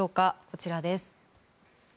こちらです。